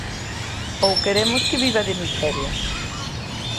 ¿Ou queremos que viva de miserias?